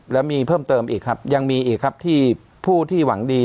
แล้วมีเพิ่มเติมอีกครับยังมีอีกครับที่ผู้ที่หวังดี